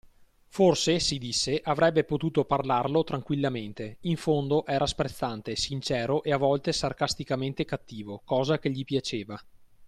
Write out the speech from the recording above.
Forse, si disse, avrebbe potuto parlarlo tranquillamente: in fondo, era sprezzante, sincero e a volte sarcasticamente cattivo, cosa che gli piaceva.